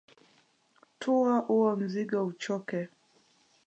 Tuwa uo mzigo uchoke.